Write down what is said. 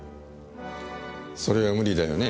それは無理だよね。